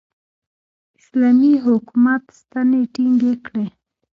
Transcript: اسلامي حکومت ستنې ټینګې کړې.